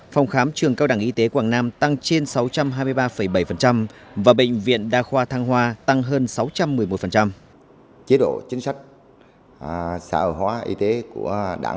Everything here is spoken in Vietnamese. phòng khám trường cao đẳng y tế quảng nam tăng trên sáu trăm hai mươi ba bảy